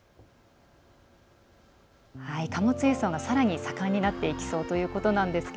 貨物輸送もさらに盛んになっていきそうということなんですが。